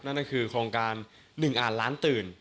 นั่นคือโครงการหนึ่งอ่านล้านตื่น